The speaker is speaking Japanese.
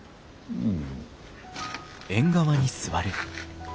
うん。